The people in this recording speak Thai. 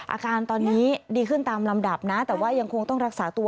อาการตอนนี้ดีขึ้นตามลำดับนะแต่ว่ายังคงต้องรักษาตัว